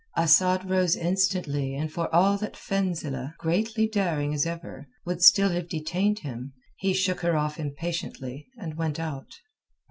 Asad rose instantly and for all that Fenzileh, greatly daring as ever, would still have detained him, he shook her off impatiently, and went out.